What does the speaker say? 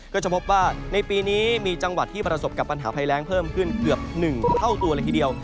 ก็จะพบว่าในปีนี้มีจังหวัดที่ประสบกับปัญหาภัยแรงเพิ่มขึ้นเกือบ๑เท่าตัวเลยทีเดียว